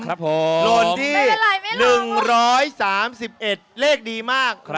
โน่นที่๑๓๑เลขดีมาก